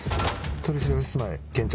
取調室前現着。